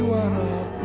ya allah yang kuanggu